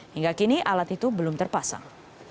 hingga kini alat itu belum terpasang